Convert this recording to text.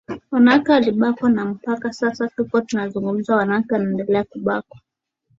wanawake walibakwa na mpaka sasa tuko tunazungumza wanawake wanaendelea kubakwa